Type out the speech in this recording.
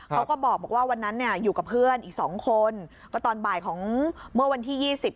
เขาก็บอกว่าวันนั้นเนี่ยอยู่กับเพื่อนอีกสองคนก็ตอนบ่ายของเมื่อวันที่ยี่สิบ